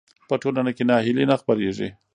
په ټولنه کې ناهیلي نه خپرېږي.